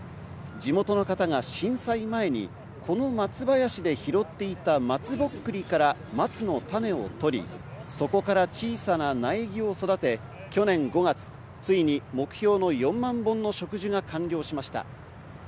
地元の方が震災前にこの松林で拾っていた松ぼっくりから松の種を取り、そこから小さな苗木を育て去年５月、ついに目標の４万本の植樹が完了しました。